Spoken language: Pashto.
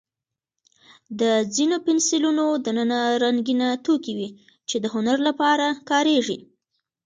د ځینو پنسلونو دننه رنګینه توکي وي، چې د هنر لپاره کارېږي.